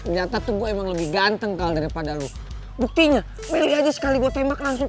nyata tuh gue emang lebih ganteng kalau daripada lu buktinya milih aja sekali gue tembak langsung